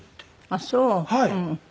あっそう。